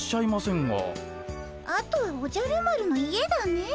あとはおじゃる丸の家だね。